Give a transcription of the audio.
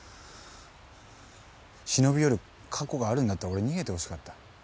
忍び寄る過去があるんだったら俺逃げてほしかった。